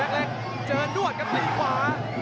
แรกเจอด้วนกับตีขวา